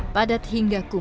padat hingga kumuh